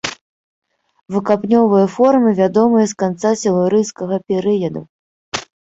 Выкапнёвыя формы вядомыя з канца сілурыйскага перыяду.